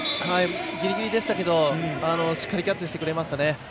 ギリギリでしたけどしっかりキャッチしてくれましたね。